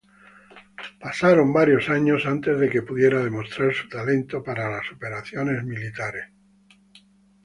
Pasaron varios años antes de que pudiera demostrar su talento para las operaciones militares.